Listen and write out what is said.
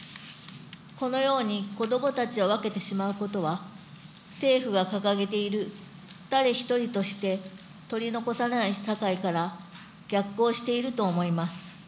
このように子どもたちを分けてしまうことは、政府が掲げている誰一人として取り残されない社会から逆行していると思います。